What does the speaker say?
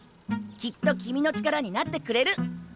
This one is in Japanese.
きっと君の力になってくれる。